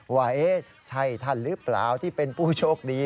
ว่าใช่ท่านหรือเปล่าที่เป็นผู้โชคดี